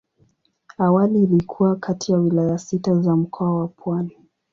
Awali ilikuwa kati ya wilaya sita za Mkoa wa Pwani.